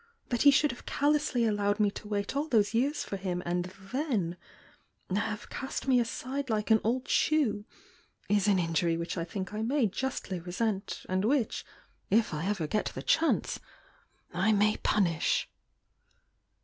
That he should have callously allowed me to wait all those years for him, and ffcen— have cast me aside like an old shoe, is an injury which I think I may justly resent— and which,— if I ever get the S02 THE YOUNG DIANA M:. M If ;:, chance— I may punish!"